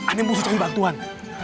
ambil musuh cari bantuan